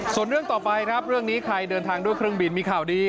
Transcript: ส่วนเรื่องต่อไปครับเรื่องนี้ใครเดินทางด้วยเครื่องบินมีข่าวดี